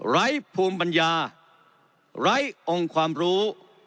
ไร้ภูมิปัญญาไร้องค์ความรู้